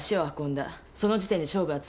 その時点で勝負はついている。